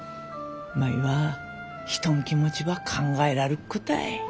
舞は人ん気持ちば考えらるっ子たい。